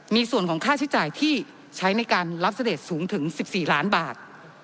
มีส่วนของค่าใช้จ่ายที่ใช้ในการรับเสด็จสูงถึง๑๔ล้านบาท